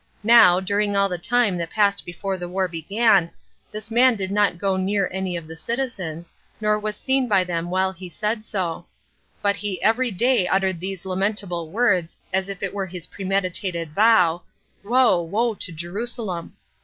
Now, during all the time that passed before the war began, this man did not go near any of the citizens, nor was seen by them while he said so; but he every day uttered these lamentable words, as if it were his premeditated vow, "Woe, woe to Jerusalem!"